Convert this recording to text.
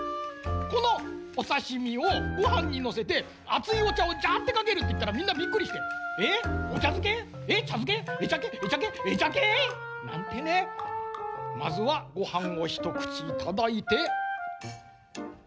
このおさしみをごはんにのせてあついおちゃをじゃってかけるっていったらみんなびっくりして「えおちゃづけ？えちゃづけ？えちゃけえちゃけえちゃけ」。なんてね。まずはごはんをひとくちいただいて。